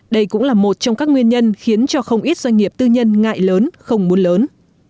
đây cũng là một trong các nguyên nhân khiến cho không ít doanh nghiệp tư nhân ngại lớn không muốn lớn